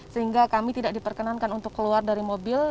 sehingga kami tidak diperkenankan untuk keluar dari mobil